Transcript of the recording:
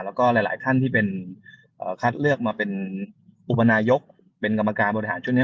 แล้วก็หลายท่านที่เป็นคัดเลือกมาเป็นอุปนายกเป็นกรรมการบริหารชุดนี้